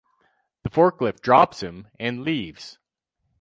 The forklift drops him and leaves.